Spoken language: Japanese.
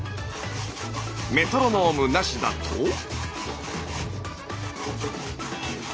メトロノームなしだと。